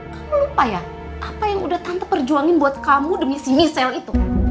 kamu lupa ya apa yang udah tante perjuangin buat kamu demi sini sale itu